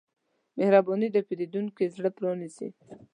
مهرباني د پیرودونکي زړه پرانیزي.